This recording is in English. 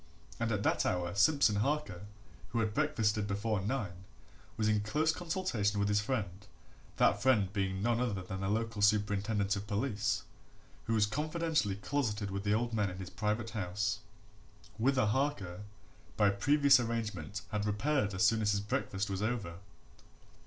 And at that hour Simpson Harker, who had breakfasted before nine, was in close consultation with his friend that friend being none other than the local superintendent of police, who was confidentially closeted with the old man in his private house, whither Harker, by previous arrangement, had repaired as soon as his breakfast was over.